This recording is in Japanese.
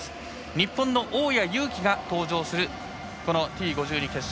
日本の大矢勇気が登場する、このＴ５２の決勝。